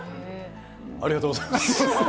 ありがとうございます。